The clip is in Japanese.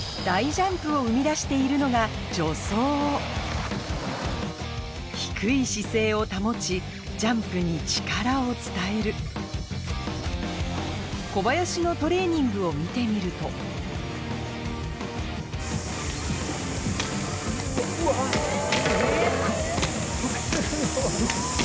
大ジャンプを生み出しているのが低い姿勢を保ちジャンプに力を伝える小林のトレーニングを見てみるとうわぁえ！